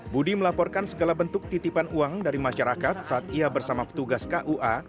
budi melaporkan segala bentuk titipan uang dari masyarakat saat ia bersama petugas kua